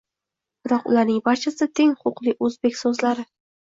Biroq ularning barchasi- teng huquqli o’zbek so’zlari!